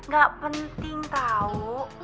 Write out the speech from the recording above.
gak penting tau